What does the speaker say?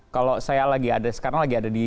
kalau saya lagi ada sekarang lagi ada di